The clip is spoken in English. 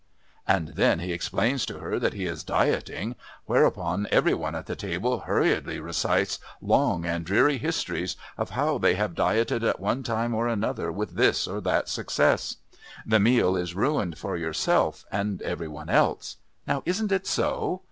And then he explains to her that he is dieting, whereupon every one at the table hurriedly recites long and dreary histories of how they have dieted at one time or another with this or that success. The meal is ruined for yourself and every one else. Now, isn't it so?